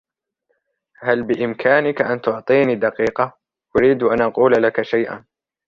هل بإمكانك أن تعطيني دقيقة؟ أريد أن أقول لك شيئا.